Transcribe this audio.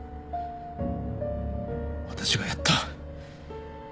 私がやった。